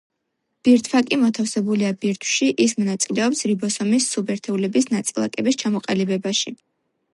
ბირთვაკი მოთავსებულია ბირთვში, ის მონაწილეობს რიბოსომის სუბერთეულების -ნაწილაკების ჩამოყალიბებაში.